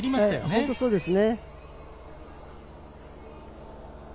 本当にそうですね。